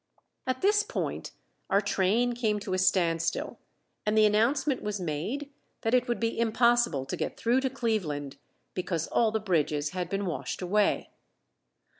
At this point our train came to a standstill, and the announcement was made that it would be impossible to get through to Cleveland because all the bridges had been washed away.